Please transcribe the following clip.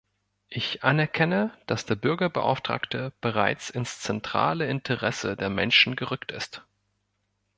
Ich anerkenne, dass der Bürgerbeauftragte bereits ins zentrale Interesse der Menschen gerückt ist.